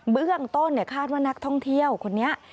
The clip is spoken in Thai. เบื้องต้นคาดว่านักท่องเที่ยวคนนี้